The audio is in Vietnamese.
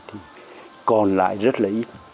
thì còn lại rất là ít